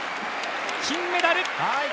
金メダル！